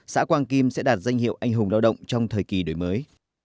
xã quang kim sẽ đạt danh hiệu anh hùng lao động trong thời kỳ đổi mới